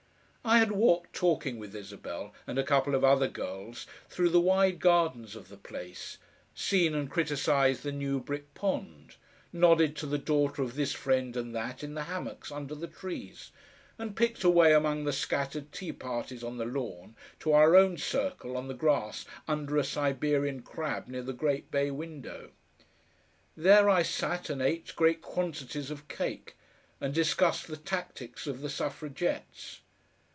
I had walked talking with Isabel and a couple of other girls through the wide gardens of the place, seen and criticised the new brick pond, nodded to the daughter of this friend and that in the hammocks under the trees, and picked a way among the scattered tea parties on the lawn to our own circle on the grass under a Siberian crab near the great bay window. There I sat and ate great quantities of cake, and discussed the tactics of the Suffragettes.